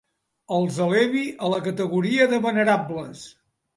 Els elevi a la categoria de venerables.